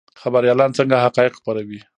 خبریالان څنګه حقایق خپروي؟